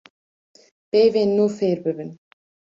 peyvên nû fêr bibin